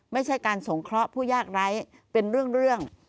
ไม่ใช่การสงเคราะห์ผู้ยากไร้เป็นเรื่อง